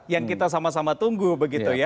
yang kita sama sama tunggu begitu ya